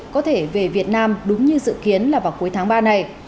có thể về việt nam đúng như dự kiến là vào cuối tháng ba này